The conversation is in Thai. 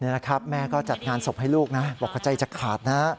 นี่นะครับแม่ก็จัดงานศพให้ลูกนะบอกว่าใจจะขาดนะ